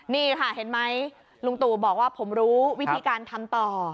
นี่ค่ะเห็นไหมลุงตู่บอกว่าผมรู้วิธีการทำต่อ